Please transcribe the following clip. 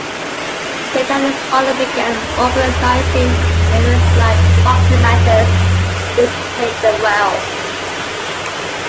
Sid and his father began organizing events like boxing matches, which paid them well.